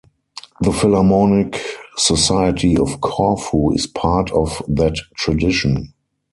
The Philharmonic Society of Corfu is part of that tradition.